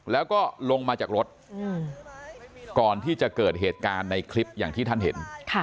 แล้วก็ลงมาจากรถก่อนที่จะเกิดเหตุการณ์ในคลิปอย่างที่ท่านเห็น